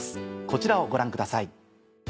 こちらをご覧ください。